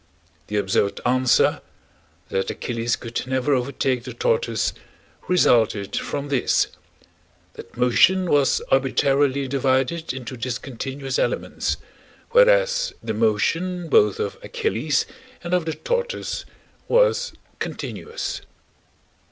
The absurd answer (that Achilles could never overtake the tortoise) resulted from this: that motion was arbitrarily divided into discontinuous elements, whereas the motion both of Achilles and of the tortoise was continuous.